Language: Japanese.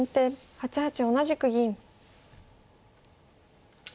８八同じく銀。